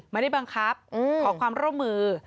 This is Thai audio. ไม่ได้บังคับขอความร่วมมือ